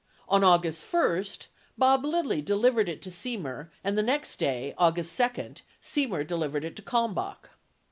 On August 1, Bob Lilly delivered it to Semer and the next, day, August 2, Semer delivered it to Kalmbach.